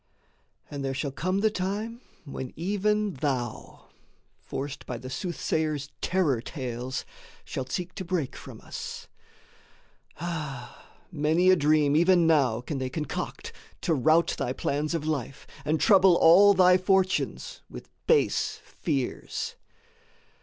And there shall come the time when even thou, Forced by the soothsayer's terror tales, shalt seek To break from us. Ah, many a dream even now Can they concoct to rout thy plans of life, And trouble all thy fortunes with base fears.